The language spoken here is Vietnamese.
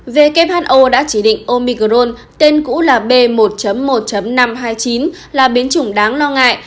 who đã chỉ định omicron tên cũ là b một một năm trăm hai mươi chín là biến chủng đáng lo ngại